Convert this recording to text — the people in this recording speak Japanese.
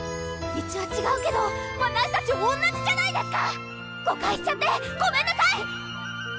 道はちがうけどわたしたち同じじゃないですか誤解しちゃってごめんなさい！